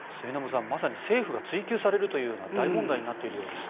末延さん、まさに政府が追及されるというような大問題になっているようです。